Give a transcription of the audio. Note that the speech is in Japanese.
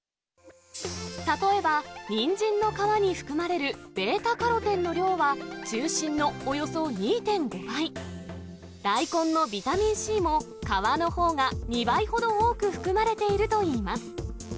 例えばニンジンの皮に含まれるベータカロテンの量は、中心のおよそ２．５倍、大根のビタミンＣも皮のほうが２倍ほど多く含まれているといいます。